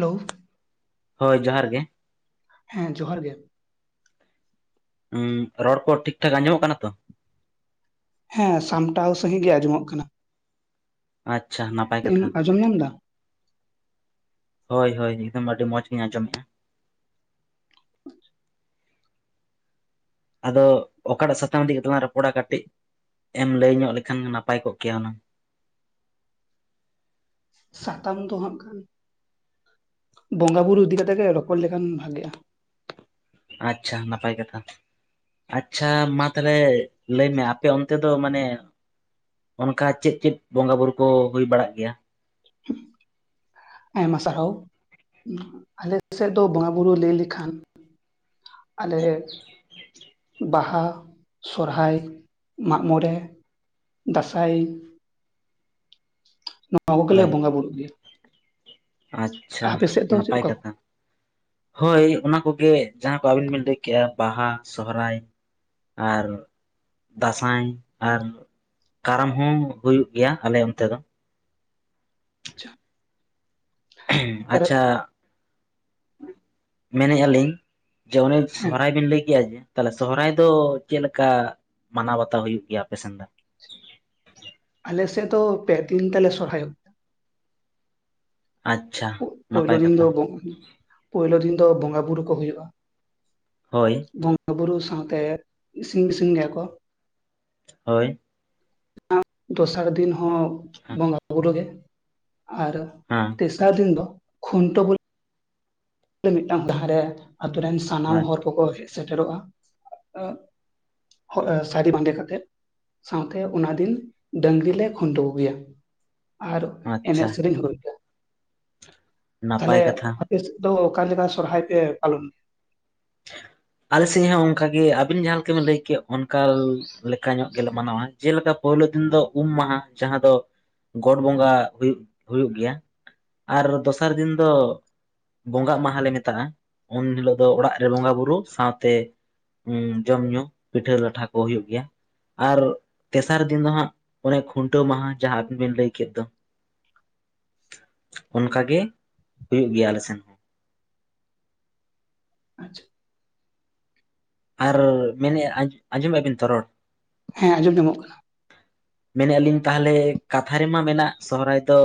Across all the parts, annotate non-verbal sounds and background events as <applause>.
Hello ᱦᱳᱭ ᱡᱚᱦᱟᱨ ᱜᱮ ᱦᱮᱸ ᱡᱚᱦᱟᱨ ᱜᱮ ᱦᱩᱸ ᱨᱚᱲ ᱠᱚ ᱴᱷᱤᱠ ᱴᱷᱟᱠ ᱟᱸᱡᱚ ᱢᱚᱜ ᱠᱟᱱᱟ ᱛᱚ ᱦᱮᱸ ᱥᱟᱢ ᱴᱟᱣ ᱥᱟᱹᱦᱤᱡ ᱜᱮ ᱟᱸᱡᱚ ᱢᱚᱜ ᱠᱟᱱᱟ᱾ ᱟᱪᱪᱷᱟ ᱱᱟᱯᱟᱭ ᱮᱢ ᱠᱟᱛᱷᱟ᱾ ᱟᱸᱡᱚᱢ ᱧᱟᱢ ᱮᱫᱟ ᱦᱳᱭ ᱦᱳᱭ ᱮᱠᱫᱚᱢ ᱟᱹᱰᱤ ᱢᱚᱸᱡᱽ ᱜᱤᱧ ᱟᱸᱡᱚᱢ ᱮᱫ-ᱟ᱾ ᱟᱫᱚ ᱚᱠᱟ ᱴᱟᱜ ᱥᱟᱛᱟᱢ ᱤᱫᱤ ᱠᱟᱛᱮ ᱞᱟᱝ ᱨᱚᱯᱚ ᱲᱟ ᱠᱟᱹᱴᱤᱡ ᱮᱢ ᱞᱟᱹᱭ ᱧᱚᱜ ᱞᱮ ᱠᱷᱟᱱ ᱱᱟᱯᱟᱭ ᱠᱚᱜ ᱠᱮᱭᱟ ᱦᱩᱱᱟᱹᱝ ᱥᱟᱛᱟᱢ ᱫᱚ ᱦᱟᱸᱜ ᱠᱷᱟᱱ ᱵᱚᱸᱜᱟ ᱵᱩᱨᱩ ᱤᱫᱤ ᱠᱟᱛᱮᱜ ᱜᱮ ᱨᱚᱯᱚᱲ ᱞᱮ ᱠᱷᱟᱱ ᱵᱷᱟᱜᱮᱜ-ᱟ᱾ ᱟᱪᱪᱷᱟ, ᱱᱟᱯᱟᱭ ᱠᱟᱛᱷᱟ᱾ ᱟᱪᱪᱷᱟ ᱢᱟ ᱛᱟᱸᱞᱮ ᱞᱟᱹᱭ ᱢᱮ ᱟᱯᱮ ᱚᱱᱛᱮ ᱫᱚ ᱢᱟᱱᱮ, ᱚᱱᱠᱟ ᱪᱮᱫ ᱪᱮᱫ ᱵᱚᱸᱜᱟ ᱵᱩᱨᱩ ᱠᱚ ᱦᱩᱭ ᱵᱟᱲᱟᱜ ᱜᱮᱭᱟ᱾ ᱟᱭᱢᱟ ᱥᱟᱨ ᱦᱟᱣ ᱟᱞᱮ ᱥᱮᱫ ᱫᱚ ᱵᱚᱸᱜᱟ ᱵᱩᱨᱩ ᱞᱟᱹᱭ ᱞᱮ ᱠᱷᱟᱱ ᱟᱞᱮ ᱵᱟᱦᱟ, ᱥᱚᱨᱦᱟᱭ, ᱢᱟᱜ ᱢᱚᱸᱬᱮ, ᱫᱟᱸᱥᱟᱭ ᱱᱚᱣᱟ ᱠᱚᱜᱮ ᱞᱮ ᱦᱳᱭ ᱵᱚᱸᱜᱟ ᱵᱩᱨᱩᱜ ᱜᱮᱭᱟ᱾ ᱟᱪᱪᱷᱟ ᱟᱯᱮ ᱥᱮᱫ ᱫᱚ ᱪᱮᱫ ᱱᱟᱯᱟᱭ ᱞᱮᱠᱟ ᱠᱚ ᱠᱟᱛᱷᱟ᱾ ᱦᱳᱭ ᱚᱱᱟ ᱠᱚ ᱜᱮ ᱡᱟᱸᱦᱟ ᱠᱚ ᱟᱹᱵᱤᱱ ᱵᱤᱱ ᱞᱟᱹᱭ ᱠᱮᱜ-ᱟ ᱵᱟᱦᱟ ᱥᱚᱦᱨᱟᱭ ᱟᱨ ᱫᱟᱸᱥᱟᱭ ᱟᱨ ᱠᱟᱨᱟᱢ ᱦᱚᱸ ᱦᱩᱭᱩᱜ ᱜᱮᱭᱟ ᱟᱞᱮ ᱚᱱᱛᱮ ᱫᱚ ᱟᱪᱪᱷᱟ ᱟᱪᱪᱷᱟ ᱢᱮᱱ ᱮᱜᱟ ᱟᱞᱤᱧ ᱡᱮ ᱚᱱᱮ ᱦᱮᱸ ᱥᱚᱨ ᱦᱟᱭ ᱵᱤᱱ ᱞᱟᱹᱭ ᱠᱮᱜ-ᱟ ᱡᱮ ᱛᱟᱸᱦᱞᱮ ᱥᱚᱦᱚ ᱨᱟᱭ ᱫᱚ ᱪᱮᱫ ᱞᱮᱠᱟ ᱢᱟᱱᱟᱣ ᱵᱟᱛᱟᱣ ᱦᱩᱭᱩᱜ ᱜᱮᱭᱟ ᱟᱯᱮ ᱥᱮᱱ ᱫᱚ, ᱟᱞᱮ ᱥᱮᱫ ᱫᱚ ᱯᱮ ᱫᱤᱱ ᱛᱮ ᱞᱮ ᱥᱚᱨᱦᱟ ᱭᱚᱜ <inaudible> ᱯᱳᱭᱞᱳ ᱱᱟᱯᱟᱭ ᱫᱤᱱ ᱠᱟᱛᱷᱟ ᱫᱚ ᱵᱚᱝ ᱯᱳᱭᱞᱳ ᱫᱤᱱ ᱫᱚ ᱵᱚᱸᱜᱟ ᱵᱩᱨᱩ ᱠᱚ ᱦᱳᱭᱳᱜ-ᱟ ᱦᱳᱭ ᱵᱚᱸᱜᱟ ᱵᱩᱨᱩ ᱥᱟᱶᱛᱮ ᱤᱥᱤᱱ ᱜᱤᱥᱤᱝ ᱜᱮᱭᱟ ᱠᱚ ᱦᱳᱭ ᱫᱚᱥᱟᱨ ᱫᱤᱱ ᱦᱚᱸ ᱵᱚᱸᱜᱟ ᱵᱩᱨᱩ ᱜᱮ ᱟᱨ ᱦᱮᱸ ᱛᱮᱥᱟᱨ ᱫᱤᱱ ᱫᱚ ᱠᱷᱩᱱᱴᱟ <unintelligible> <inaudible> ᱢᱤᱫ ᱴᱟᱝ ᱫᱷᱟᱨᱮ ᱟᱛᱳ ᱨᱮᱱ ᱥᱟᱱᱟᱢ ᱦᱚᱲ ᱠᱚ ᱠᱚ ᱦᱮᱡ ᱥᱮᱴᱮ ᱨᱚᱜ-ᱟ <inaudible> ᱦᱳᱭ ᱥᱟᱹᱨᱤ ᱵᱟᱸᱫᱮ ᱠᱟᱛᱮᱫ ᱥᱟᱶᱛᱮ ᱚᱱᱟ ᱫᱤᱱ ᱰᱟᱹᱝᱨᱤ ᱞᱮ ᱠᱷᱩᱱ ᱴᱟᱹᱣ ᱠᱚ ᱜᱮᱭᱟ ᱟᱨ ᱟᱪᱪᱷᱟ ᱮᱱᱮᱡ ᱥᱮᱨᱮᱧ <inaudible> ᱱᱟᱯᱟᱭ ᱛᱟᱦᱞᱮ ᱠᱟᱛᱷᱟ ᱟᱯᱮ ᱥᱮᱫ ᱫᱚ ᱚᱠᱟ ᱞᱮᱠᱟ ᱥᱚᱨ ᱦᱟᱭ ᱯᱮ ᱯᱟᱞᱚᱱ ᱟᱞᱮ ᱥᱮᱫ ᱦᱚᱸ ᱚᱱᱠᱟ ᱜᱮ ᱟᱹᱵᱤᱱ ᱡᱟᱦᱟ ᱞᱮᱠᱟ ᱵᱤᱱ ᱞᱟᱹᱭ ᱠᱮᱜ ᱚᱱᱠᱟ ᱞᱮᱠᱟ ᱧᱚᱜ ᱜᱮ ᱞᱮ ᱢᱟᱱᱟ ᱣᱟ ᱡᱮᱞᱮ ᱠᱟ ᱯᱳᱭᱞᱳ ᱫᱤᱱ ᱫᱚ ᱩᱢ ᱢᱟᱦᱟ ᱡᱟᱦᱟ ᱫᱚ ᱜᱚᱴ ᱵᱚᱸᱜᱟ ᱦᱩᱭᱩᱜ ᱦᱩᱭᱩᱜ ᱜᱮᱭᱟ ᱟᱨ ᱫᱚᱥᱟᱨ ᱫᱤᱱ ᱫᱚ ᱵᱚᱸᱜᱟᱜ ᱢᱟᱦᱟ ᱞᱮ ᱢᱮᱛᱟᱜ-ᱟ ᱩᱱ ᱦᱤᱞᱳᱜ ᱫᱚ ᱚᱲᱟᱜ ᱨᱮ ᱵᱚᱸᱜᱟ ᱵᱩᱨᱩ ᱥᱟᱶ ᱛᱮ ᱡᱚᱢ ᱧᱩ ᱯᱤᱴᱷᱟᱹ ᱞᱟᱴᱷᱟ ᱠᱚ ᱦᱩᱭᱩᱜ ᱜᱮᱭᱟ ᱟᱨ ᱛᱮᱥᱟᱨ ᱫᱤᱱ ᱫᱚ ᱦᱟᱜ ᱚᱱᱮ ᱠᱷᱩᱱ ᱴᱟᱹᱣ ᱢᱟᱦᱟ ᱡᱟᱦᱟ ᱟᱹᱵᱤᱱ ᱵᱤᱱ ᱞᱟᱹᱭ ᱠᱮᱫ ᱫᱚ <inaudible> ᱚᱱᱠᱟ ᱜᱮ ᱦᱩᱭᱩᱜ ᱜᱮᱭᱟ ᱟᱞᱮ ᱥᱮᱱ ᱦᱚᱸ ᱜᱮᱭᱟ ᱟᱪᱪᱷᱟ ᱟᱨ ᱢᱮᱱᱮᱫ-ᱟ ᱟᱸᱡᱚ ᱟᱸᱡᱚᱢ ᱮᱜᱟ ᱵᱤᱱ ᱛᱚ ᱨᱚᱲ ᱦᱮᱸ ᱟᱸᱡᱚᱢ ᱧᱟ ᱢᱚᱜ ᱠᱟᱱᱟ ᱢᱮᱱᱮᱫ-ᱟ ᱞᱤᱧ ᱛᱟᱦᱞᱮ ᱠᱟᱛᱷᱟ ᱨᱮᱢᱟ ᱢᱮᱱᱟᱜ ᱥᱚᱦᱚ ᱨᱟᱭ ᱫᱚ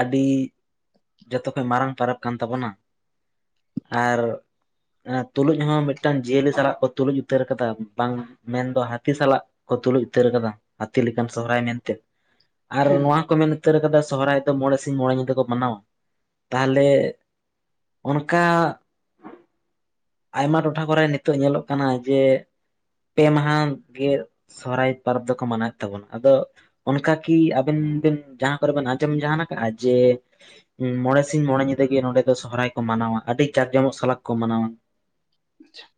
ᱟᱹᱰᱤ ᱡᱷᱚᱛᱚ ᱠᱷᱚᱡ ᱢᱟᱨᱟᱝ ᱯᱚᱨᱚᱵᱽ ᱠᱟᱱ ᱛᱟᱵᱚ ᱱᱟ ᱟᱨ ᱛᱩᱞᱩᱡ ᱦᱚᱸ ᱢᱤᱫ ᱴᱟᱝ ᱡᱤᱭᱟᱹᱞᱤ ᱥᱟᱞᱟᱜ ᱠᱚ ᱛᱩᱞᱩᱡ ᱩᱛᱟᱹᱨ ᱟᱠᱟᱫᱟ ᱵᱟᱝ ᱢᱮᱱ ᱫᱚ ᱦᱟᱹᱛᱤ ᱥᱟᱞᱟᱜ ᱠᱚ ᱛᱩᱞᱩᱡ ᱩᱛᱟᱹᱨ ᱠᱟᱫᱟ ᱦᱟᱹᱛᱤ ᱞᱮᱠᱟᱱ ᱥᱚᱦᱨᱟᱭ ᱢᱮᱱᱛᱮ᱾ ᱟᱨ ᱦᱮᱸ ᱱᱚᱣᱟ ᱠᱚ ᱢᱮᱱ ᱩᱛᱟᱹᱨ ᱟᱠᱟᱫᱟ ᱥᱚᱦᱨᱟᱭ ᱫᱚ ᱢᱚᱬᱮ ᱥᱤᱧ ᱢᱚᱬᱮ ᱧᱤᱫᱟᱹ ᱠᱚ ᱢᱟᱱᱟᱣᱟ᱾ ᱛᱟᱦᱚᱞᱮ ᱚᱱᱠᱟ ᱟᱭᱢᱟ ᱴᱚᱴᱷᱟ ᱠᱚᱨᱮ ᱱᱤᱛᱚᱜ ᱧᱮᱞᱚᱜ ᱠᱟᱱᱟ ᱡᱮ ᱯᱮ ᱢᱟᱦᱟ ᱜᱮ ᱥᱚᱦᱨᱟᱭ ᱯᱚᱨᱚᱵᱽ ᱫᱚᱠᱚ ᱢᱟᱱᱟᱣᱮᱫ᱾ ᱛᱟᱵᱚᱱᱟ ᱟᱫᱚ ᱚᱱᱠᱟ ᱠᱤ ᱟᱵᱮᱱ ᱵᱮᱱ ᱡᱟᱦᱟ ᱠᱚᱨᱮ ᱵᱮᱱ ᱟᱸᱡᱚᱢ ᱡᱟᱦᱟᱱ ᱠᱟᱜ-ᱟ ᱡᱮ ᱢᱚᱬᱮ ᱥᱤᱧ ᱢᱚᱬᱮ ᱧᱤᱫᱟᱹ ᱜᱮ ᱱᱚᱰᱮ ᱫᱚ ᱥᱚᱦᱨᱟᱭ ᱠᱚ ᱢᱟᱱᱟᱣᱟ ᱟᱹᱰᱤ ᱡᱟᱠ ᱡᱚᱢᱚᱜ ᱥᱟᱞᱟᱠ ᱠᱚ ᱢᱟᱱᱟᱣᱟ? ᱟᱪᱪᱷᱟ <inaudible>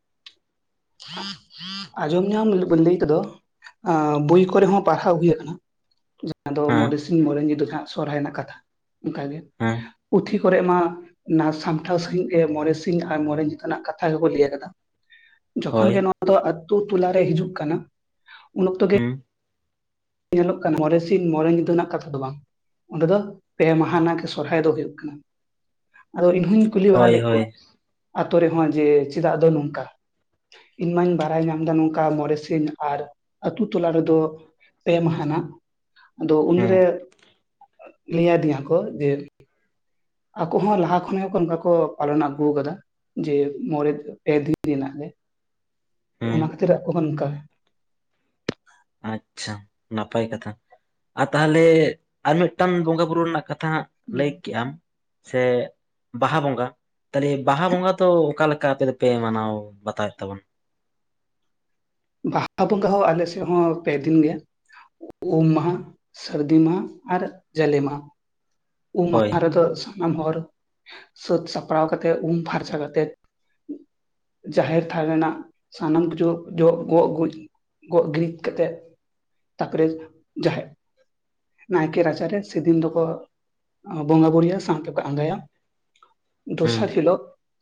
ᱟᱸᱡᱚᱢ ᱧᱟᱢ ᱞᱟᱹᱭ ᱠᱚᱫᱚ ᱟᱸ ᱵᱳᱭ ᱠᱚᱨᱮ ᱦᱚᱸ ᱯᱟᱲᱦᱟᱣ ᱦᱩᱭ ᱟᱠᱟᱱᱟ᱾ ᱟᱫᱚ ᱦᱮᱸ ᱢᱚᱬᱮ ᱥᱤᱧ ᱢᱚᱬᱮ ᱧᱤᱫᱟᱹ ᱦᱟᱜ ᱥᱚᱨᱦᱟᱭ ᱨᱮᱱᱟᱜ ᱠᱟᱛᱷᱟ ᱚᱱᱠᱟ ᱜᱮ ᱦᱮᱸ ᱯᱩᱛᱷᱤ ᱠᱚᱨᱮ ᱢᱟ ᱱᱟ ᱥᱟᱢᱴᱟᱣ ᱥᱟᱺᱦᱤᱡ ᱜᱮ ᱢᱚᱬᱮ ᱥᱤᱧ ᱟᱨ ᱢᱚᱬᱮ ᱧᱤᱫᱟᱹ ᱨᱮᱱᱟᱜ ᱠᱟᱛᱷᱟ ᱜᱮᱠᱚ ᱞᱟᱹᱭ ᱟᱠᱟᱫᱟ᱾ ᱡᱚᱠᱷᱚᱱ ᱦᱳᱭ ᱜᱮ ᱱᱚᱣᱟ ᱫᱚ ᱟᱹᱛᱩ ᱴᱚᱞᱟ ᱨᱮ ᱦᱤᱡᱩᱜ ᱠᱟᱱᱟ ᱩᱱ ᱚᱠᱛᱚ ᱜᱮ ᱦᱮᱸ ᱧᱮᱞᱚᱜ ᱠᱟᱱᱟ ᱢᱚᱬᱮ ᱥᱤᱧ ᱢᱚᱬᱮ ᱧᱤᱫᱟᱹ ᱨᱮᱱᱟᱜ ᱠᱟᱛᱷᱟ ᱫᱚ ᱵᱟᱝ, ᱚᱸᱰᱮ ᱫᱚ ᱯᱮ ᱢᱟᱦᱟᱱᱟᱜ ᱜᱮ ᱥᱚᱨᱦᱟᱭ ᱫᱚ ᱦᱩᱭᱩᱜ ᱠᱟᱱᱟ᱾ ᱟᱫᱚ ᱤᱧ ᱦᱚᱧ ᱠᱩᱞᱤ ᱵᱟᱲᱟ ᱦᱳᱭ ᱞᱮᱫ ᱦᱳᱭ ᱠᱚᱣᱟ ᱟᱹᱛᱳ ᱨᱮᱦᱚᱸ ᱡᱮ ᱪᱮᱫᱟᱜ ᱫᱚ ᱱᱚᱝᱠᱟ? ᱤᱧ ᱢᱟᱧ ᱵᱟᱲᱟᱭ ᱧᱟᱢ ᱫᱟ ᱱᱚᱝᱠᱟ ᱢᱚᱬᱮ ᱥᱤᱧ ᱟᱨ ᱟᱹᱛᱩ ᱴᱚᱞᱟ ᱨᱮᱫᱚ ᱯᱮ ᱢᱟᱦᱟᱱᱟᱜ ᱟᱫᱚ ᱦᱩᱸ ᱩᱱᱨᱮ ᱞᱟᱹᱭ ᱟᱫᱤᱧᱟ ᱠᱚ ᱡᱮ ᱟᱠᱚ ᱦᱚᱸ ᱞᱟᱦᱟ ᱠᱷᱚᱱ ᱜᱮᱠᱚ ᱚᱱᱠᱟ ᱠᱚ ᱯᱟᱞᱚᱱ ᱟᱹᱜᱩ ᱟᱠᱟᱫᱟ᱾ ᱡᱮ ᱢᱚᱬᱮ ᱫᱤ ᱯᱮ ᱫᱤ ᱨᱮᱱᱟᱜ ᱜᱮ ᱦᱩᱸ ᱚᱱᱟ ᱠᱷᱟᱹᱛᱤᱨᱟᱜ ᱠᱚᱦᱚᱸ ᱱᱚᱝᱠᱟ᱾ ᱟᱪᱪᱷᱟ ᱱᱟᱯᱟᱭ ᱠᱟᱛᱷᱟ᱾ ᱟᱨ ᱛᱟᱦᱚᱞᱮ ᱟᱨ ᱢᱤᱫᱴᱟᱝ ᱵᱚᱸᱜᱟ ᱵᱩᱨᱩ ᱨᱮᱱᱟᱜ ᱠᱟᱛᱷᱟ ᱦᱟᱜ ᱞᱟᱹᱭ ᱠᱮᱜ ᱟᱢ? ᱪᱮᱫ ᱵᱟᱦᱟ ᱵᱚᱸᱜᱟ ᱛᱟᱦᱚᱞᱮ ᱵᱟᱦᱟ ᱵᱚᱸᱜᱟ ᱫᱚ ᱚᱠᱟᱮᱠᱟ ᱟᱯᱮ ᱫᱚᱯᱮ ᱢᱟᱱᱟᱣ ᱵᱟᱛᱟᱣᱮᱫ ᱛᱟᱵᱚᱱᱟ? ᱵᱟᱦᱟ ᱵᱚᱸᱜᱟ ᱦᱚᱸ ᱟᱞᱮ ᱥᱮᱫ ᱦᱚᱸ ᱯᱮ ᱫᱤᱱ ᱜᱮ᱾ ᱩᱢ ᱢᱟᱦᱟ, ᱥᱟᱹᱨᱫᱤ ᱢᱟᱦᱟ, ᱟᱨ ᱡᱟᱞᱮ ᱢᱟᱦᱟ᱾ ᱩᱢ ᱦᱳᱭ ᱢᱟᱦᱟ ᱨᱮᱫᱚ ᱥᱟᱱᱟᱢ ᱦᱚᱨ ᱥᱟᱹᱛ ᱥᱟᱯᱲᱟᱣ ᱠᱟᱛᱮᱫ, ᱩᱢ ᱯᱷᱟᱨᱪᱟ ᱠᱟᱛᱮᱫ ᱡᱟᱦᱮᱨ ᱛᱷᱟᱱ ᱨᱮᱱᱟᱜ ᱥᱟᱱᱟᱢ ᱡᱚᱜ, ᱡᱚᱜ, ᱜᱚᱜ, ᱜᱩᱡ ᱜᱚᱜ ᱜᱩᱨᱤᱡ ᱠᱟᱛᱮᱫ ᱛᱟᱨᱯᱚᱨᱮ ᱡᱟᱦᱮᱫ ᱱᱟᱭᱠᱮ ᱨᱟᱪᱟ ᱨᱮ ᱥᱮ ᱫᱤᱱ ᱫᱚᱠᱚ ᱵᱚᱸᱜᱟ ᱵᱩᱨᱩᱭᱟᱹ ᱥᱟᱶᱛᱮ ᱠᱚ ᱟᱸᱜᱟᱭᱟ᱾ ᱦᱩᱸ ᱫᱚᱥᱟᱨ ᱦᱤᱞᱚᱜ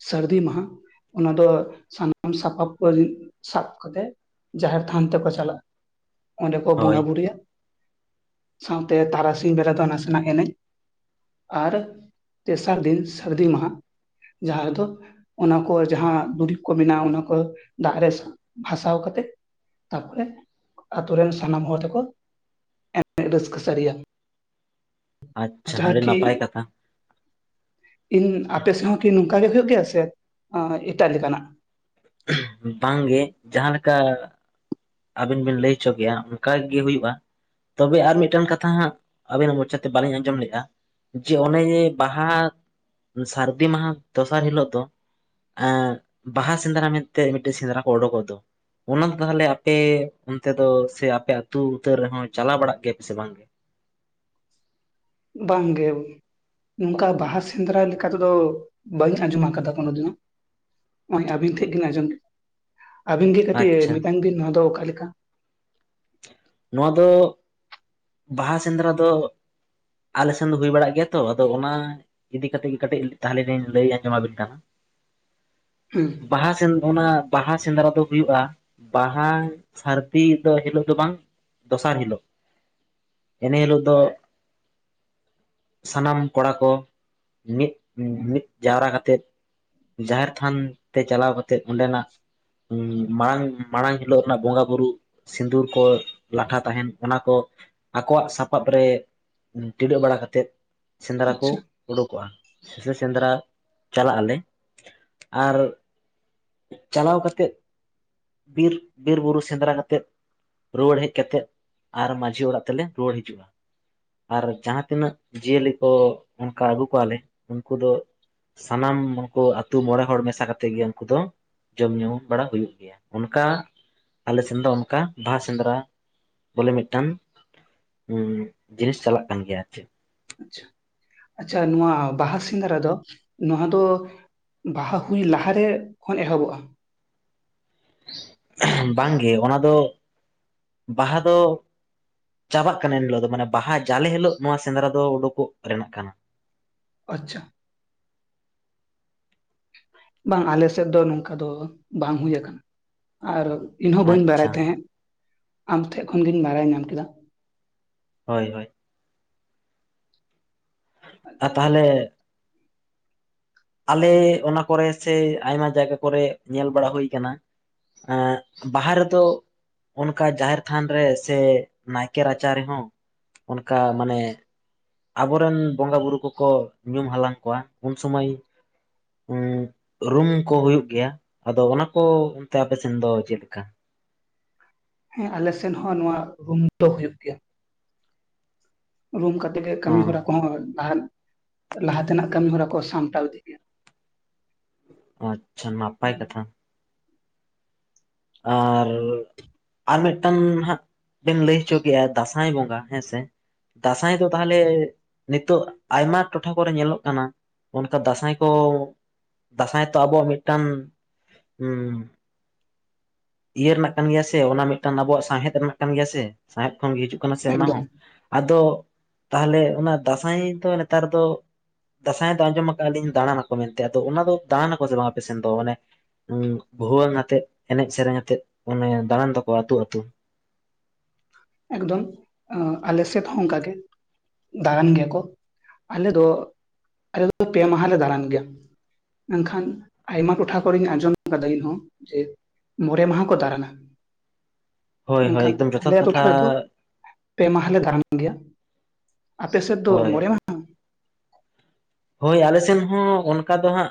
ᱥᱟᱹᱨᱫᱤ ᱢᱟᱦᱟ ᱚᱱᱟ ᱫᱚ ᱥᱟᱱᱟᱢ ᱥᱟᱯᱟᱵᱽ ᱠᱚ ᱥᱟᱵ ᱠᱟᱛᱮᱫ ᱡᱟᱦᱮᱨᱛᱷᱟᱱ ᱛᱮᱠᱚ ᱪᱟᱞᱟᱜ᱾ ᱚᱸᱰᱮ ᱠᱚ ᱦᱳᱭ ᱵᱚᱸᱜᱟ ᱵᱩᱨᱩᱭᱟ᱾ ᱥᱟᱶᱛᱮ ᱛᱟᱨᱟ ᱥᱤᱧ ᱵᱮᱲᱟ ᱫᱚ ᱱᱟᱥᱮᱱᱟᱜ ᱮᱱᱮᱡ ᱟᱨ ᱛᱮᱥᱟᱨ ᱫᱤᱱ ᱥᱟᱹᱨᱫᱤ ᱢᱟᱦᱟ ᱡᱟᱦᱟᱸ ᱨᱮ ᱫᱚ ᱚᱱᱟ ᱠᱚ ᱡᱟᱦᱟᱸ ᱫᱩᱨᱤᱵᱽ ᱠᱚ ᱢᱮᱱᱟᱜᱼᱟ᱾ ᱚᱱᱟ ᱠᱚ ᱫᱟᱜ ᱨᱮ ᱵᱷᱟᱥᱟᱣ ᱠᱟᱛᱮᱫ ᱛᱟᱯᱚᱨᱮ ᱟᱹᱛᱩ ᱨᱮᱱ ᱥᱟᱱᱟᱢ ᱦᱚᱲ ᱫᱚᱠᱚ ᱮᱱᱮᱡ ᱨᱟᱹᱥᱠᱟᱹ ᱥᱟᱹᱨᱤᱭᱟ᱾ ᱟᱪᱪᱷᱟ ᱟᱹᱰᱤ ᱡᱟᱦᱟᱸ ᱠᱤ ᱱᱟᱯᱟᱭ ᱠᱟᱛᱷᱟ ᱤᱧ ᱟᱯᱮ ᱥᱮᱣ ᱠᱤ ᱱᱚᱝᱠᱟ ᱜᱮ ᱦᱩᱭᱩᱜ ᱜᱮᱭᱟ ᱥᱮ ᱮᱴᱟᱜ ᱞᱮᱠᱟᱱᱟᱜ? ᱵᱟᱝᱜᱮ ᱡᱟᱦᱟᱸ ᱞᱮᱠᱟ ᱟᱵᱤᱱ ᱵᱤᱱ ᱞᱟᱹᱭ ᱚᱪᱚ ᱠᱮᱫᱼᱟ ᱚᱱᱠᱟ ᱜᱮ ᱦᱩᱭᱩᱜᱼᱟ᱾ ᱛᱚᱵᱮ ᱟᱨ ᱢᱤᱫᱴᱟᱱ ᱠᱟᱛᱷᱟ ᱦᱟᱸᱜ ᱟᱵᱤᱱᱟᱜ ᱢᱚᱪᱟᱛᱮ ᱵᱟᱞᱤᱧ ᱟᱸᱡᱚᱢ ᱞᱮᱫᱼᱟ᱾ ᱡᱮ ᱚᱱᱮ ᱵᱟᱦᱟ ᱥᱟᱹᱨᱫᱤ ᱢᱟᱦᱟ ᱫᱚᱥᱟᱨ ᱦᱤᱞᱚᱜ ᱫᱚ ᱟᱸ ᱵᱟᱦᱟ ᱥᱮᱸᱫᱽᱨᱟ ᱢᱮᱱᱛᱮ ᱢᱤᱫᱴᱮᱡ ᱥᱮᱸᱫᱽᱨᱟ ᱠᱚ ᱚᱰᱚᱠᱚᱜ ᱫᱚ ᱚᱱᱟ ᱫᱚ ᱛᱟᱦᱚᱞᱮ ᱟᱯᱮ ᱚᱱᱛᱮ ᱫᱚ ᱥᱮ ᱟᱯᱮ ᱟᱹᱛᱩ ᱩᱛᱟᱹᱨ ᱨᱮᱦᱚᱸ ᱪᱟᱞᱟᱣ ᱵᱟᱲᱟᱜ ᱜᱮᱭᱟ ᱯᱮ ᱥᱮ ᱵᱟᱝ? ᱵᱟᱝ ᱜᱮ᱾ ᱱᱚᱝᱠᱟ ᱵᱟᱦᱟ ᱥᱮᱸᱫᱽᱨᱟ ᱞᱮᱠᱟ ᱛᱮᱫᱚ ᱵᱟᱹᱧ ᱟᱸᱡᱚᱢ ᱟᱠᱟᱫᱟ ᱠᱚᱱᱳᱫᱤᱱᱳ ᱾ ᱱᱚᱜ-ᱚᱸᱭ ᱟᱹᱵᱤᱱ ᱴᱷᱮᱱ ᱜᱤᱱ ᱟᱸᱡᱚᱢ᱾ ᱟᱹᱵᱤᱱ ᱜᱮ ᱠᱟᱹᱴᱤᱡ ᱟᱪᱪᱷᱟ ᱢᱮᱛᱟᱹᱧ ᱵᱤᱱ ᱱᱚᱣᱟ ᱫᱚ ᱚᱠᱟᱞᱮᱠᱟ? ᱱᱚᱣᱟ ᱫᱚ ᱵᱟᱦᱟ ᱥᱮᱸᱫᱽᱨᱟ ᱫᱚ ᱟᱞᱮ ᱥᱮᱱ ᱫᱚ ᱦᱩᱭ ᱵᱟᱲᱟᱜ ᱜᱮᱭᱟ ᱛᱚ ᱟᱫᱚ ᱚᱱᱟ ᱤᱫᱤ ᱠᱟᱛᱮᱫ ᱜᱮ ᱠᱟᱹᱴᱤᱡ ᱛᱟᱦᱚᱞᱮ ᱞᱤᱧ ᱞᱟᱹᱭ ᱟᱸᱡᱚᱢ ᱟᱵᱤᱱ ᱠᱟᱱ ᱾ ᱦᱩᱸ ᱵᱟᱦᱟ ᱥᱮ ᱚᱱᱟ ᱵᱟᱦᱟ ᱥᱮᱸᱫᱽᱨᱟ ᱫᱚ ᱦᱩᱭᱩᱜᱼᱟ᱾ ᱵᱟᱦᱟ ᱥᱟᱹᱨᱫᱤ ᱫᱚ ᱦᱤᱞᱚᱜ ᱫᱚ ᱵᱟᱝ ᱾ ᱫᱚᱥᱟᱨ ᱦᱤᱞᱚᱜ ᱤᱱᱟᱹ ᱦᱤᱞᱚᱜ ᱫᱚ ᱥᱟᱱᱟᱢ ᱠᱚᱲᱟ ᱠᱚ ᱢᱤᱫ ᱢᱤᱫ ᱡᱟᱣᱨᱟ ᱠᱟᱛᱮᱫ ᱡᱟᱦᱮᱨᱛᱷᱟᱱ ᱛᱮ ᱪᱟᱞᱟᱣ ᱠᱟ ᱛᱮᱫ ᱚᱸᱰᱮᱱᱟᱜ ᱢᱟᱲᱟᱝ ᱢᱟᱲᱟᱝ ᱦᱤᱞᱚᱜ ᱨᱮᱱᱟᱜ ᱵᱚᱸᱜᱟ ᱵᱩᱨᱩ ᱥᱤᱸᱫᱩᱨ ᱠᱚ ᱞᱟᱴᱷᱟ ᱛᱟᱦᱮᱱ ᱚᱱᱟ ᱠᱚ ᱟᱠᱚᱣᱟᱜ ᱥᱟᱯᱟᱵᱽ ᱨᱮ ᱴᱤᱰᱟᱹᱜ ᱵᱟᱲᱟ ᱠᱟᱛᱮᱫ ᱥᱮᱸᱫᱽᱨᱟ ᱠᱚ ᱟᱪᱪᱷᱟ ᱚᱰᱚᱠᱚᱜᱼᱟ ᱥᱮ ᱥᱮᱸᱫᱽᱨᱟ ᱪᱟᱞᱟᱜ ᱟᱞᱮ ᱟᱨ ᱪᱟᱞᱟᱣ ᱠᱟᱛᱮᱫ ᱵᱤᱨ ᱵᱤᱨ ᱵᱩᱨᱩ ᱥᱮᱸᱫᱽᱨᱟ ᱠᱟᱛᱮᱫ ᱨᱩᱣᱟᱹᱲ ᱦᱮᱡ ᱠᱮᱛᱮᱫ ᱟᱨ ᱢᱟᱺᱡᱷᱤ ᱚᱲᱟᱜ ᱛᱮᱞᱮ ᱨᱩᱣᱟᱹᱲ ᱦᱤᱡᱩᱜ-ᱟ᱾ ᱟᱨ ᱡᱟᱦᱟᱸ ᱛᱤᱱᱟᱹᱜ ᱡᱤᱭᱟᱹᱞᱤ ᱠᱚ ᱚᱱᱠᱟ ᱟᱹᱜᱩ ᱠᱚᱣᱟ ᱞᱮ ᱩᱱᱠᱩ ᱫᱚ ᱥᱟᱱᱟᱢ ᱩᱱᱠᱩ ᱟᱛᱩ ᱢᱚᱬᱮ ᱦᱚᱲ ᱢᱮᱥᱟ ᱠᱟᱛᱮᱫ ᱜᱮ ᱩᱱᱠᱩ ᱫᱚ ᱡᱚᱢ ᱧᱩᱸ ᱵᱟᱲᱟ ᱦᱩᱭᱩᱜ ᱜᱮᱭᱟ ᱚᱱᱠᱟ ᱟᱞᱮ ᱥᱮᱱ ᱫᱚ ᱚᱱᱠᱟ, ᱵᱟᱦᱟ ᱥᱮᱸᱫᱽᱨᱟ ᱵᱚᱞᱮ ᱢᱤᱫᱴᱟᱝ ᱡᱤᱱᱤᱥ ᱪᱟᱞᱟᱜ ᱠᱟᱱ ᱜᱮᱭᱟ ᱟᱨ ᱪᱮᱫ ᱟᱪᱪᱷᱟ ᱟᱪᱪᱷᱟ ᱱᱚᱣᱟ ᱵᱟᱦᱟ ᱥᱮᱸᱫᱽᱨᱟ ᱫᱚ ᱱᱚᱦᱟ ᱫᱚ ᱵᱟᱦᱟ ᱦᱩᱭ ᱞᱟᱦᱟᱨᱮ ᱠᱷᱚᱱ ᱮᱦᱚᱵᱚᱜ-ᱟ᱾ ᱵᱟᱝᱜᱮ ᱚᱱᱟ ᱫᱚ ᱵᱟᱦᱟ ᱫᱚ ᱪᱟᱵᱟᱜ ᱠᱟᱱᱟ ᱮᱱ ᱦᱤᱞᱳᱜ ᱫᱚ ᱢᱟᱱᱮ ᱵᱟᱦᱟ ᱡᱟᱞᱮ ᱦᱤᱞᱳᱜ ᱱᱚᱣᱟ ᱥᱮᱸᱫᱽᱨᱟ ᱫᱚ ᱩᱰᱩᱠᱚᱜ ᱨᱮᱱᱟᱜ ᱠᱟᱱᱟ ᱟᱪᱪᱷᱟ ᱵᱟᱝ ᱟᱞᱮ ᱥᱮᱫ ᱫᱚ ᱱᱚᱝᱠᱟ ᱫᱚ ᱵᱟᱝ ᱦᱩᱭ ᱟᱠᱟᱱᱟ ᱟᱨᱼᱼ ᱤᱧ ᱦᱚᱸ ᱵᱟᱹᱧ ᱵᱟᱲᱟᱭ ᱟᱪᱪᱷᱟ ᱛᱟᱦᱮᱸᱜ ᱟᱢ ᱴᱷᱮᱱ ᱠᱷᱚᱱ ᱜᱤᱧ ᱵᱟᱲᱟᱭ ᱧᱟᱢ ᱠᱮᱫᱟ᱾ ᱦᱚᱭ ᱦᱚᱭ᱾ ᱟᱨ ᱛᱟᱦᱚᱞᱮ ᱟᱞᱮ ᱚᱱᱟ ᱠᱚᱨᱮ ᱥᱮ ᱟᱭᱢᱟ ᱡᱟᱭᱜᱟ ᱠᱚᱨᱮ ᱧᱮᱞ ᱵᱟᱲᱟ ᱦᱩᱭ ᱠᱟᱱᱟ, ᱵᱟᱦᱟ ᱨᱮ ᱫᱚᱼᱼ ᱚᱱᱠᱟ ᱡᱟᱦᱮᱨ ᱛᱷᱟᱱ ᱨᱮ ᱥᱮ ᱱᱟᱭᱠᱮ ᱨᱟᱪᱟ ᱨᱮᱦᱚᱸ ᱚᱱᱠᱟ ᱢᱟᱱᱮᱼᱼ ᱟᱵᱚ ᱨᱮᱱ ᱵᱚᱸᱜᱟ ᱵᱩᱨᱩ ᱠᱚᱠᱚ ᱧᱩᱢ ᱦᱟᱞᱟᱝ ᱠᱚᱣᱟ ᱩᱱ ᱥᱩᱢᱟᱹᱭ, ᱨᱩᱢ ᱠᱚ ᱦᱩᱭᱩᱜ ᱜᱮᱭᱟ ᱟᱫᱚ ᱚᱱᱟ ᱠᱚ ᱚᱱᱛᱮ ᱟᱯᱮ ᱥᱮᱱ ᱫᱚ ᱪᱮᱫ ᱞᱮᱠᱟ? ᱦᱮᱸ ᱟᱞᱮ ᱥᱮᱱ ᱦᱚᱸ ᱱᱚᱣᱟ ᱨᱩᱢ ᱫᱚ ᱦᱳᱭ ᱜᱮᱭᱟ᱾ ᱨᱩᱢ ᱠᱟᱛᱮ ᱜᱮ ᱚ ᱠᱟᱹᱢᱤ ᱦᱚᱨᱟ ᱠᱚᱦᱚᱸ ᱞᱟᱦᱟ ᱞᱟᱦᱟ ᱛᱮᱱᱟᱜ ᱠᱟᱹᱢᱤ ᱦᱚᱨᱟ ᱠᱚ ᱥᱟᱢᱴᱟᱣ ᱤᱫᱤ ᱜᱮᱭᱟ᱾ ᱟᱪᱪᱷᱟ ᱱᱟᱯᱟᱭ ᱠᱟᱛᱷᱟ᱾ ᱟᱨᱼᱼ ᱟᱨ ᱢᱤᱫ ᱴᱟᱝ ᱱᱦᱟᱸᱜ ᱵᱤᱱ ᱞᱟᱹᱭ ᱦᱚᱪᱚ ᱠᱮᱜᱼᱟ ᱫᱟᱸᱥᱟᱭ ᱵᱚᱸᱜᱟ ᱦᱮᱸ ᱥᱮ? ᱫᱟᱸᱥᱟᱭ ᱫᱚ ᱛᱟᱦᱞᱮ ᱱᱤᱛᱚᱜ ᱟᱭᱢᱟ ᱴᱚᱴᱷᱟ ᱠᱚᱨᱮ ᱧᱮᱞᱚᱜ ᱠᱟᱱᱟ, ᱚᱱᱠᱟ ᱫᱟᱸᱥᱟᱭ ᱠᱚ ᱫᱟᱸᱥᱟᱭ ᱛᱚ ᱟᱵᱚᱣᱟᱜ ᱢᱤᱫ, ᱴᱟᱝᱼᱼ ᱤᱭᱟᱹ ᱨᱮᱱᱟᱜ ᱠᱟᱱ ᱜᱮᱭᱟ ᱥᱮ ᱚᱱᱟ ᱢᱤᱫ ᱴᱟᱝ ᱟᱵᱚᱣᱟᱜ ᱥᱟᱶᱦᱮᱫ ᱨᱮᱱᱟᱜ ᱠᱟᱱ ᱜᱮᱭᱟ ᱥᱮ ᱥᱟᱶᱦᱮᱫ ᱠᱷᱚᱱ ᱜᱮ ᱦᱤᱡᱩᱜ ᱠᱟᱱᱟ ᱥᱮ ᱚᱱᱟ ᱮᱠᱫᱚᱢ ᱦᱚᱸ᱾ ᱟᱫᱚ ᱛᱟᱦᱚᱞᱮ ᱚᱱᱟ ᱫᱟᱸᱥᱟᱭ ᱫᱚ ᱱᱮᱛᱟᱨ ᱫᱚ? ᱫᱟᱸᱥᱟᱭ ᱫᱚ ᱟᱸᱡᱚᱢ ᱟᱠᱟᱫ ᱟᱞᱤᱧ ᱫᱟᱬᱟᱱᱟᱠᱚ ᱢᱮᱱᱛᱮ ᱟᱫᱚ ᱚᱱᱟ ᱫᱚ ᱫᱟᱬᱟᱱ ᱟᱠᱚ ᱥᱮ ᱵᱟᱝ ᱟᱯᱮ ᱥᱮᱱ ᱫᱚ ᱢᱟᱱᱮ? ᱵᱷᱩᱣᱟᱹᱝ ᱟᱛᱮᱫ ᱮᱱᱮᱡ ᱥᱮᱨᱮᱧ ᱟᱛᱮᱫ ᱚᱱᱮ ᱫᱟᱬᱟᱱ ᱫᱚ ᱠᱚ ᱟᱹᱛᱩ, ᱟᱹᱛᱩ, ᱮᱠᱫᱚᱢ ᱟᱞᱮ ᱥᱮᱫ ᱦᱚᱸ ᱚᱝᱠᱟ ᱜᱮ ᱫᱟᱬᱟᱱ ᱜᱮᱭᱟ ᱠᱚ ᱟᱞᱮ ᱫᱚ ᱟᱞᱮᱫ ᱫᱚ ᱯᱮ ᱢᱟᱦᱟ ᱞᱮ ᱫᱟᱬᱟᱱ ᱜᱮᱭᱟ᱾ ᱢᱮᱱᱠᱷᱟᱱ ᱟᱭᱢᱟ ᱴᱚᱴᱷᱟ ᱠᱚᱨᱮᱧ ᱟᱸᱡᱚᱢ ᱟᱠᱟᱫᱟ ᱤᱧ ᱦᱚᱸ ᱡᱮᱼᱼ ᱢᱚᱬᱮ ᱢᱟᱦᱟ ᱠᱚ ᱫᱟᱬᱟᱱᱟ᱾ ᱦᱚᱭ ᱦᱚᱭ ᱢᱮᱱᱠᱷᱟᱱ ᱮᱠᱫᱚᱢ ᱡᱚᱛᱷᱟᱛ᱾ ᱟᱞᱮ ᱠᱟᱛᱷᱟ ᱴᱚᱴᱷᱟ ᱨᱮᱫᱚ ᱯᱮ ᱢᱟᱦᱟ ᱞᱮ ᱫᱟᱨᱟᱱ ᱜᱮᱭᱟ ᱟᱯ ᱥᱮᱫ ᱫᱚ ᱦᱳᱭ ᱢᱚᱬᱮ ᱢᱟᱦᱟ? ᱦᱳᱭ ᱟᱞᱮ ᱥᱮᱱ ᱦᱚᱸ ᱚᱱᱠᱟ ᱫᱚ ᱦᱟᱸᱜᱼᱼ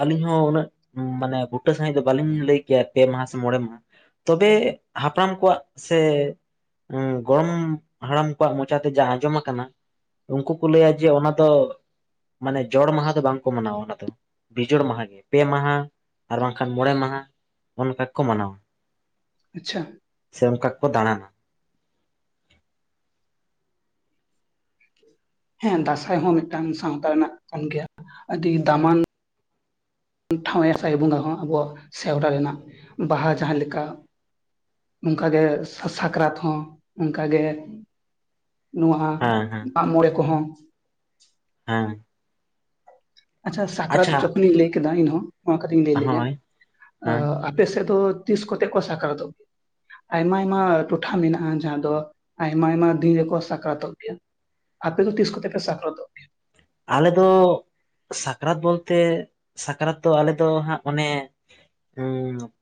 ᱟᱹᱞᱤᱧ ᱦᱚᱸ ᱩᱱᱟᱹᱜ ᱢᱟᱱᱮ ᱵᱩᱴᱟᱹ ᱥᱟᱺᱦᱤᱡ ᱫᱚ ᱵᱟᱹᱞᱤᱧ ᱞᱟᱹᱭ ᱠᱮᱭᱟ ᱯᱮ ᱢᱟᱦᱟ ᱥᱮ ᱢᱚᱬᱮ ᱢᱟᱦᱟ᱾ ᱛᱚᱵᱮ ᱦᱟᱯ ᱲᱟᱢ ᱠᱚ ᱣᱟᱜ ᱥᱮ ᱜᱚᱲᱚᱢ ᱦᱟᱲᱟᱢ ᱠᱚ ᱣᱟᱜ ᱢᱚᱪᱟ ᱛᱮ ᱡᱟᱦᱟᱸ ᱟᱸᱡᱚᱢ ᱟᱠᱟᱱᱟ ᱩᱱᱠᱩ ᱠᱚ ᱞᱟᱹᱭᱟ ᱡᱮ ᱚᱱᱟ ᱫᱚ ᱢᱟᱱᱮ ᱡᱚᱲ ᱢᱟᱦᱟ ᱫᱚ ᱵᱟᱝ ᱠᱚ ᱢᱟ ᱱᱟᱣᱟ ᱚᱱᱟ ᱫᱚ ᱵᱤᱡᱚᱲ ᱢᱟᱦᱟ ᱜᱮ ᱯᱮ ᱢᱟᱦᱟᱸ ᱟᱨ ᱵᱟᱝ ᱠᱷᱟᱱ ᱢᱚᱬᱮ ᱢᱟᱦᱟᱸ ᱚᱱᱚ ᱚᱱᱠᱟ ᱠᱚ ᱢᱟᱱᱟ ᱣᱟ ᱟᱪᱪᱷᱟ ᱥᱮ ᱚᱱᱠᱟ ᱠᱚ ᱫᱟᱬᱟ ᱱᱟ ᱦᱮᱸ ᱫᱟᱸᱥᱟᱭ ᱦᱚᱸ ᱢᱤᱫ ᱴᱟᱝ ᱥᱟᱶᱛᱟ ᱨᱮᱱᱟᱜ ᱠᱟᱱ ᱜᱮᱭᱟ ᱟᱹᱰᱤ ᱫᱟᱢᱟᱱ ᱴᱷᱟᱶ ᱮ ᱥᱟᱭ ᱵᱚᱸᱜᱟ ᱦᱚᱸ ᱟᱵᱚ ᱣᱟᱜ ᱥᱮᱣᱨᱟ ᱨᱮᱱᱟᱜ ᱵᱟᱦᱟ ᱡᱟᱦᱟᱸ ᱞᱮᱠᱟ ᱚᱝᱠᱟ ᱜᱮ ᱥᱟ ᱥᱟᱠ ᱨᱟᱛ ᱦᱚᱸ ᱚᱱᱠᱟ ᱜᱮ ᱱᱚᱣᱟ ᱦᱚᱸ ᱦᱮᱸ ᱦᱮᱸ ᱢᱟᱜ ᱢᱚᱬᱮ ᱠᱚ ᱦᱚᱸ ᱦᱮᱸ ᱟᱪᱪᱷᱟ ᱥᱟᱠ ᱨᱟᱛ ᱟᱪᱪᱷᱟ ᱡᱚ ᱠᱷᱚᱱ ᱤᱧ ᱞᱟᱹᱭ ᱠᱮᱫᱟ ᱤᱧ ᱦᱚᱸ ᱚᱱᱟ ᱠᱟᱹᱴᱤᱡ ᱤᱧ ᱞᱟᱹᱭ ᱞᱮᱜᱟ ᱦᱳᱭ ᱦᱳᱭ ᱟᱯᱮ ᱥᱮᱫ ᱫᱚ ᱛᱤᱥ ᱠᱚ ᱛᱮ ᱠᱚ ᱥᱟᱠ ᱨᱟᱛ ᱚᱜᱼᱟ ᱟᱭᱢᱟ ᱟᱭᱢᱟ ᱴᱚᱴᱷᱟ ᱢᱮᱱᱟᱜᱼᱟ ᱡᱟᱦᱟᱸ ᱫᱚ ᱟᱭᱢᱟ ᱟᱭᱢᱟ ᱫᱤᱱ ᱨᱮ ᱠᱚ ᱥᱟᱠᱨᱟᱛ ᱚᱜ ᱜᱮ ᱭᱟ ᱟᱯᱮ ᱫᱚ ᱛᱤᱥ ᱠᱚ ᱛᱮ ᱯᱮ ᱥᱟᱠᱨᱟᱛ ᱚᱜ ᱜᱮ ᱭᱟ ᱟᱞᱮ ᱫᱚ ᱥᱟᱠᱨᱟᱛ ᱵᱚᱞ ᱛᱮ ᱥᱟᱠᱨᱟᱛ ᱫᱚ ᱟᱞᱮ ᱫᱚ ᱦᱟᱸᱜ ᱚᱱᱮ <unintelligible>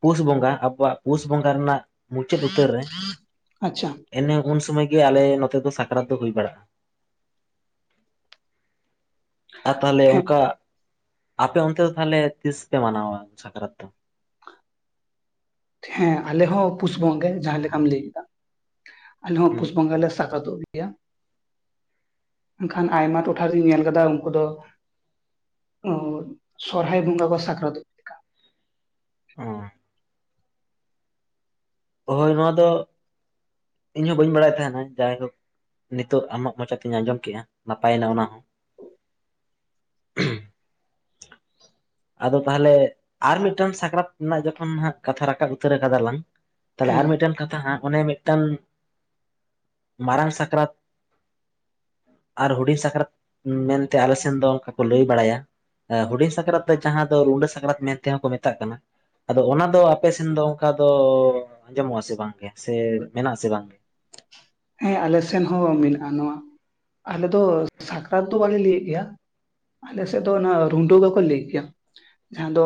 ᱯᱩᱥ ᱵᱚᱸᱜᱟ ᱟᱵᱚ ᱣᱟᱜ ᱯᱩᱥ ᱵᱚᱸᱜᱟ ᱨᱮᱱᱟᱜ ᱢᱩᱪᱟᱹᱫ ᱩᱛᱟᱹᱨ ᱨᱮ ᱟᱪᱪᱷᱟ ᱮᱱᱮ ᱩᱱ ᱥᱩᱢᱳᱭ ᱜᱮ ᱟᱞᱮ ᱱᱚ ᱛᱮ ᱫᱚ ᱥᱟᱠᱨᱟᱛ ᱫᱚ ᱦᱩᱭ ᱵᱟᱲᱟᱜᱼᱟ ᱟᱨ ᱛᱟᱦᱞᱮ ᱦᱮᱸ ᱚᱱᱠᱟ ᱟᱯᱮ ᱚᱱ ᱛᱮ ᱫᱚ ᱛᱟᱦᱞᱮ ᱛᱤᱥ ᱯᱮ ᱢᱟᱱᱟᱣ ᱟ ᱥᱟᱠᱨᱟᱛ ᱫᱚ ᱦᱮᱸ ᱟᱞᱮ ᱦᱚᱸ ᱯᱩᱥ ᱵᱚᱸᱜᱚ ᱜᱮ ᱡᱟᱦᱟᱸ ᱞᱮ ᱠᱟᱢ ᱞᱟᱹᱭ ᱠᱮᱫᱟ ᱟᱞᱮ ᱦᱚᱸ ᱦᱩᱸ ᱯᱩᱥ ᱵᱚᱸᱜᱟ ᱞᱮ ᱥᱟᱠᱨᱟᱛ ᱚᱜ ᱜᱮᱭᱟ ᱢᱮᱱ ᱠᱷᱟᱱ ᱟᱭᱢᱟ ᱴᱚᱴᱷᱟ ᱨᱤᱧ ᱧᱮᱞ ᱠᱟᱫᱟ ᱩᱱᱠᱩ ᱫᱚ ᱚ ᱥᱚᱨ ᱦᱟᱭ ᱵᱷᱚᱸᱜᱟ ᱠᱚ ᱥᱟᱠᱨᱟᱛ ᱚ ᱦᱳᱭ ᱱᱚᱶᱟ ᱫᱚ ᱤᱧ ᱦᱚ ᱵᱟᱹᱧ ᱵᱟᱲᱟᱭ ᱛᱟᱦᱮ ᱱᱟ ᱡᱟᱭ ᱦᱳᱠ ᱱᱤᱛᱚᱜ ᱟᱢᱟᱜ ᱢᱚᱪᱟ ᱛᱮᱧ ᱟᱸᱡᱚᱢ ᱠᱮᱜᱼᱟ ᱱᱟᱯᱟᱭ ᱱᱟ ᱚᱱᱟ ᱦᱚᱸ <inaudible> ᱟᱫᱚ ᱛᱟᱦᱞᱮ ᱟᱨ ᱢᱤᱫ ᱴᱟᱝ ᱥᱟᱠᱨᱟᱛ ᱨᱮᱱᱟᱜ ᱡᱚᱠᱷᱚᱱ ᱦᱟᱸᱜ ᱠᱟᱛᱷᱟ ᱨᱟᱠᱟᱵ ᱩᱛᱟᱹᱨ ᱟᱠᱟᱫᱟ ᱞᱟᱝ ᱛᱟᱦᱞᱮ ᱟᱨ ᱦᱮᱸ ᱢᱤᱫ ᱴᱟᱱ ᱠᱟᱛᱷᱟ ᱦᱟᱸᱜ ᱚᱱᱮ ᱢᱤᱫ ᱴᱟᱝ ᱢᱟᱨᱟᱝ ᱥᱟᱠᱨᱟᱛ ᱟᱨ ᱦᱩᱰᱤᱧ ᱥᱟᱠᱨᱟᱛ ᱢᱮᱱ ᱛᱮ ᱟᱞᱮ ᱥᱮᱱ ᱫᱚ ᱚᱱᱠᱟ ᱠᱚ ᱞᱟᱹᱭ ᱵᱟᱲᱟ ᱭᱟ ᱮ ᱦᱩᱰᱤᱧ ᱥᱟᱠᱨᱟᱛ ᱫᱚ ᱡᱟᱦᱟᱸ ᱫᱚ ᱨᱩᱰᱟᱹ ᱥᱟᱠᱨᱟᱛ ᱢᱮᱱ ᱛᱮ ᱦᱚᱸ ᱠᱚ ᱢᱮᱛᱟᱜ ᱠᱟᱱᱟ ᱟᱫᱚ ᱚᱱᱟ ᱫᱚ ᱟᱯᱮ ᱥᱮᱱ ᱫᱚ ᱚᱱᱠᱟ ᱫᱚ ᱟᱸᱡᱚ ᱢᱚᱜᱼᱟ ᱥᱮ ᱵᱟᱝ ᱜᱮ ᱥᱮ ᱢᱮᱱᱟᱜᱼᱟ ᱥᱮ ᱵᱟᱝ ᱜᱮ ᱦᱮᱸ ᱟᱞᱮ ᱥᱮᱱ ᱦᱚᱸ ᱢᱮᱱᱟᱜᱼᱟ ᱱᱚᱣᱟ ᱟᱞᱮ ᱫᱚ ᱥᱟᱠᱨᱟᱛ ᱫᱚ ᱵᱟᱞᱮ ᱞᱟᱹᱭ ᱜᱮ ᱭᱟ ᱟᱞᱮ ᱥᱮᱫ ᱫᱚ ᱚᱱᱟ ᱨᱩᱱᱰᱩᱹ ᱜᱮᱠᱚ ᱞᱟᱹᱭ ᱜᱮᱭᱟ ᱡᱟᱦᱟᱸ ᱫᱚ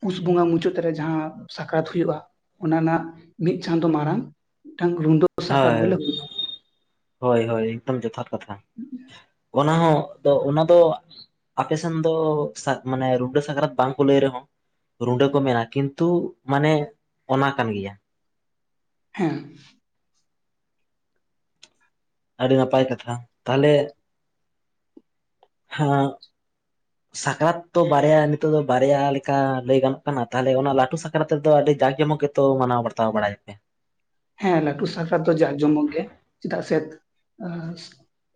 ᱯᱩᱥ ᱵᱚᱸᱜᱟ ᱢᱩᱪᱟᱹᱫ ᱨᱮ ᱡᱟᱦᱟᱸ ᱥᱟᱠ ᱨᱟᱛ ᱦᱩᱭᱩᱜᱼᱟ ᱚᱱᱟ ᱨᱮᱱᱟᱜ ᱢᱤᱫ ᱪᱟᱸᱫᱳ ᱢᱟᱨᱟᱝ ᱢᱤᱫ ᱴᱟᱝ ᱨᱩᱱᱰᱚᱹ ᱦᱳᱭ ᱦᱳᱭ ᱦᱳᱭ ᱮᱠᱫᱚᱢ ᱡᱚᱛᱷᱟᱛ ᱠᱟᱛᱷᱟ ᱚᱱᱟ ᱦᱚᱸ ᱟᱫᱚ ᱚᱱᱟ ᱫᱚ ᱟᱯᱮ ᱥᱮᱱ ᱫᱚ ᱢᱟᱱᱮ ᱨᱩᱰᱟᱹ ᱥᱟᱠᱨᱟᱛ ᱵᱟᱝ ᱠᱚ ᱞᱟᱹᱭ ᱨᱮ ᱦᱚᱸ ᱨᱩᱰᱟᱹ ᱠᱚ ᱢᱮᱱᱟ ᱠᱤᱱᱛᱩ ᱢᱟᱱᱮ ᱚᱱᱟ ᱠᱟᱱ ᱜᱮ ᱭᱟ ᱦᱮᱸ ᱟᱹᱰᱤ ᱱᱟᱯᱟᱭ ᱠᱟᱛᱷᱟ ᱛᱟᱦᱚ ᱞᱮ ᱦᱮᱸ <inaudible> ᱥᱟᱠᱨᱟᱛ ᱫᱚ ᱵᱟᱨᱭᱟ ᱱᱤᱛᱚᱜ ᱫᱚ ᱵᱟᱨᱭᱟ ᱞᱮᱠᱟ ᱞᱟᱹᱭ ᱜᱟᱱᱚᱜ ᱠᱟᱱᱟ ᱛᱟᱦᱚᱼᱞᱮ ᱚᱱᱟ ᱞᱟᱹᱴᱩ ᱥᱟᱠᱨᱟᱛ ᱨᱮ ᱫᱚ ᱟᱹᱰᱤ ᱡᱟᱸᱠ ᱡᱚᱢᱚᱠ ᱜᱮ ᱛᱚ ᱢᱟᱱᱟᱣ ᱵᱟᱛᱟᱣ ᱵᱟᱲᱟᱭ <unintelligible> ᱦᱮᱸ ᱞᱟᱹᱴᱩ ᱥᱟᱠ ᱨᱟᱛ ᱫᱚ ᱡᱟᱠ ᱡᱚᱢᱚᱠ ᱜᱮ ᱪᱮᱫᱟᱜ ᱥᱮ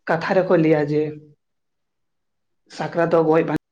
ᱠᱟᱛᱷᱟ ᱨᱮ ᱠᱚ ᱞᱟᱹᱭᱟ ᱡᱮ ᱥᱟᱠᱨᱟᱛ ᱫᱚ ᱜᱚᱡ ᱵᱟᱧ